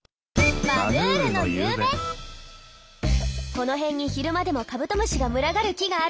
この辺に昼間でもカブトムシが群がる木があるんだって。